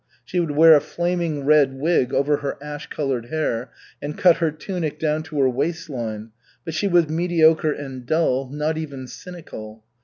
She would wear a flaming red wig over her ash colored hair, and cut her tunic down to her waist line, but she was mediocre and dull, not even cynical.